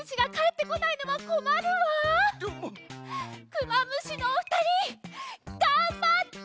クマムシのおふたりがんばって！